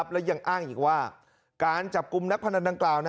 และยังอ้างอีกว่าการจับกลุ่มนักพนันดังกล่าว